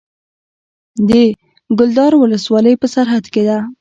د کلدار ولسوالۍ په سرحد کې ده